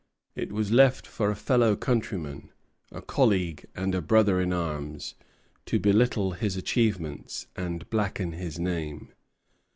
It was left for a fellow countryman a colleague and a brother in arms to belittle his achievements and blacken his name.